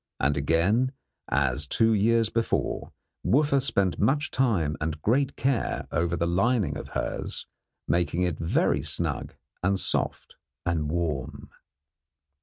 And again, as two years before, Wooffa spent much time and great care over the lining of hers, making it very snug and soft and warm.